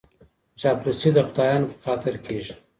چاپلوسي د خدایانو په خاطر کیږي.